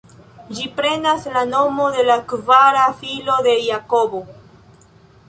Ĝi prenas la nomo de la kvara filo de Jakobo.